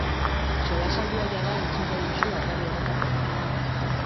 Solasaldia jada entzungai duzu atari honetan bertan.